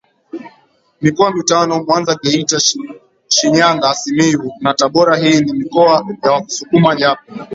mikoa mitano MwanzaGeitaShinyangaSimiyu na TaboraHii ni mikoa ya Wasukuma Japo